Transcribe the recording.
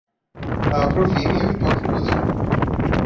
Abra o Vimeo e toque música.